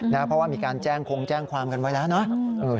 เพราะว่ามีการแจ้งคงแจ้งความกันไว้แล้วเนาะ